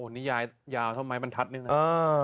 นี่ยาวทำไมมันทัดนึงนะ